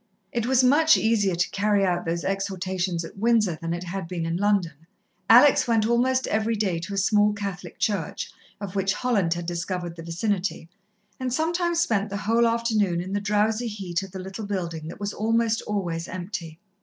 It was much easier to carry out those exhortations at Windsor than it had been in London. Alex went almost every day to a small Catholic church, of which Holland had discovered the vicinity, and sometimes spent the whole afternoon in the drowsy heat of the little building, that was almost always empty.